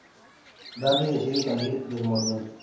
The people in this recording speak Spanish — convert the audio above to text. Danny decide salir del movimiento.